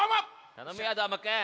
たのむよどーもくん！